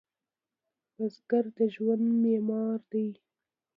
بزګر د ژوند معمار دی